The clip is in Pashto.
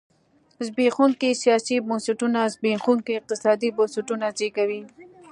زبېښونکي سیاسي بنسټونه زبېښونکي اقتصادي بنسټونه زېږوي.